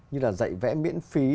như là dạy vẽ miễn phí